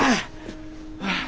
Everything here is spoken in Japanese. ああ！